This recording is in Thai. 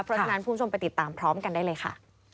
เพราะฉะนั้นคุณผู้ชมไปติดตามพร้อมกันได้เลยค่ะ